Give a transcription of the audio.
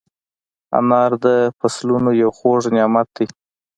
انار د فصلونو یو خوږ نعمت دی.